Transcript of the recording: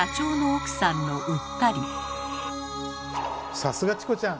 さすがチコちゃん！